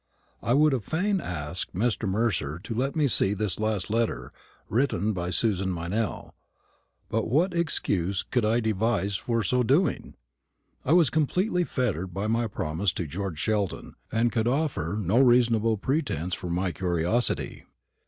I would fain have asked Mr. Mercer to let me see this last letter written by Susan Meynell; but what excuse could I devise for so doing? I was completely fettered by my promise to George Sheldon, and could offer no reasonable pretence for my curiosity.